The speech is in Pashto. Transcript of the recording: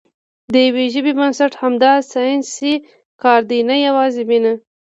د یوې ژبې بنسټ همدا ساینسي کار دی، نه یوازې مینه.